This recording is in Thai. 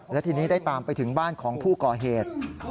และทีนี้ได้ตามไปถึงบ้านของผู้ก่อเหตุ